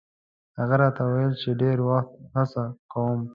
هغه راته ویل چې ډېر وخت هڅه کوم.